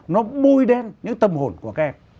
nó bôi đen những tâm hồn của các em